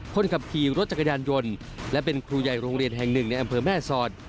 คนขับขี่รถจักรยานยนต์และเป็นครูใหญ่โรงเรียนแห่งหนึ่งในอำเภอแม่สอด